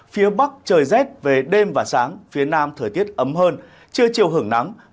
phía bắc trời rét về đêm và sáng phía nam thời tiết ấm hơn trưa chiều hưởng nắng